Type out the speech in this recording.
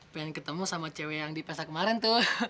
pengen ketemu sama cewe yang di pesta kemarin tuh